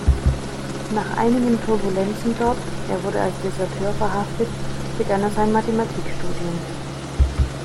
Nach einigen Turbulenzen dort, er wurde als Deserteur verhaftet, begann er sein Mathematikstudium.